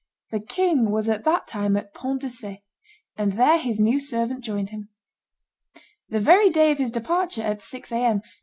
The king was at that time at Ponts de Ce, and there his new servant joined him." The very day of his departure, at six A. M.